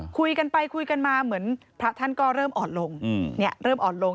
คุยกันไปคุยกันมาเหมือนพระท่านก็เริ่มออดลง